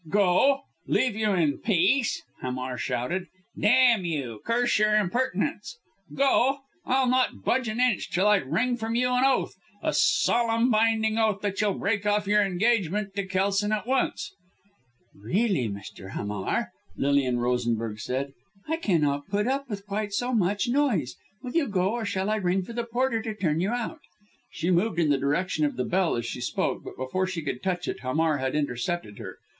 "Go! Leave you in peace!" Hamar shouted. "Damn you, curse your impertinence! Go! I'll not budge an inch till I wring from you an oath a solemn binding oath, that you'll break off your engagement with Kelson at once." "Really, Mr. Hamar!" Lilian Rosenberg said, "I cannot put up with quite so much noise. Will you go, or shall I ring for the porter to turn you out?" She moved in the direction of the bell as she spoke, but before she could touch it Hamar had intercepted her.